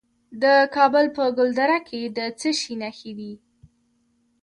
د کابل په ګلدره کې د څه شي نښې دي؟